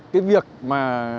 cái việc mà